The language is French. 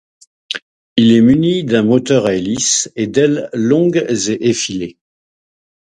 Il est muni d'un moteur à hélices et d'ailes longue et effilées.